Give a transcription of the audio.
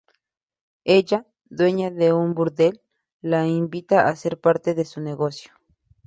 Elle, dueña de un burdel, la invita a hacer parte de su negocio.